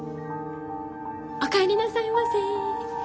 おかえりなさいませ。